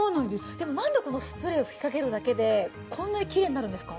でもなんでこのスプレーを吹きかけるだけでこんなにきれいになるんですか？